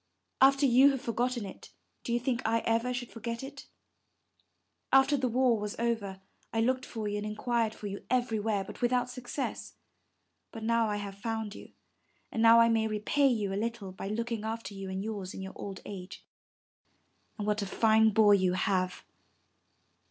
After you have forgotten it, do you think I ever should forget it? After the war was over, I looked for you and inquired for you every where, but without success. But now I have found you, and now I may repay you a little by looking after you and yours in your old age. And what a fine boy you have!''